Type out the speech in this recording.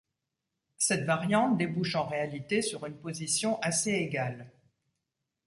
Cette variante débouche en réalité sur une position assez égale.